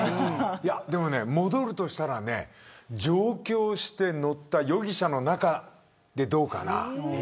戻るとしたら、上京して乗った夜汽車の中、でどうかな。